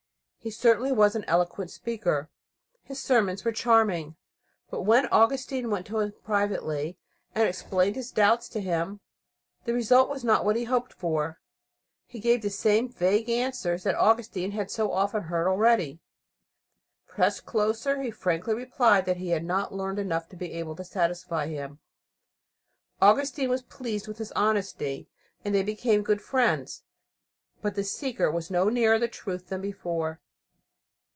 He certainly was an eloquent speaker; his sermons were charming. But when Augustine went to him privately and explained his doubts to him, the result was not what he had hoped for. He gave the same vague answers that Augustine had so often heard already. Pressed closer, he frankly replied that he was not learned enough to be able to satisfy him. Augustine was pleased with his honesty, and they became good friends. But the seeker was no nearer the truth than before.